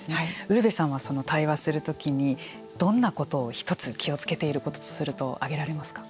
ウルヴェさんはその対話をするときにどんなことを、ひとつ気をつけていることとすると挙げられますか。